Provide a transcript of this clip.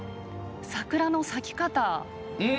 桜の咲き方。